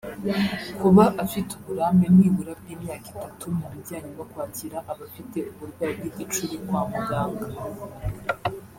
Kuba afite uburambe nibura bw’imyaka itatu mu bijyanye no kwakira abafite uburwayi bw’igicuri kwa muganga